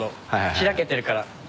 開けてるから。